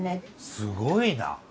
すごいな。